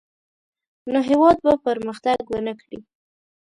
نو هېواد به پرمختګ ونه کړي.